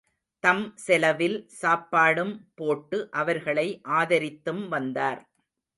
தம் செலவில் சாப்பாடும்போட்டு அவர்களை ஆதரித்தும் வந்தார்.